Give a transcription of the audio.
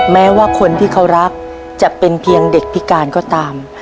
แม้ว่าคนที่เขารักจะเป็นเพียงเด็กพิการก็ตาม